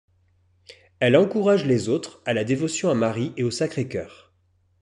Elle encourage les autres à la dévotion à Marie et au Sacré-Cœur.